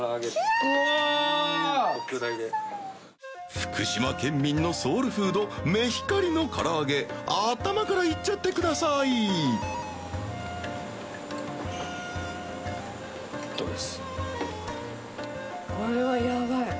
福島県民のソウルフードメヒカリの唐揚げ頭からいっちゃってください匹Δ任后海譴ヤバい。